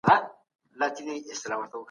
بهرنۍ پالیسي د نړیوالو اړیکو پرته نه تعریفېږي.